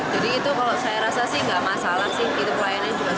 jadi itu kalau saya rasa sih enggak masalah sih itu pelayanan juga sudah baik